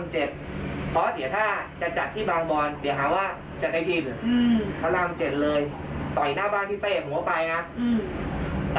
เพราะถ้าจะจัดที่บางบอลเดี๋ยวหาว่าจัดไอ้ทีมพระราม๗เลยต่อยหน้าบ้านที่เต้ผมก็ไปนะ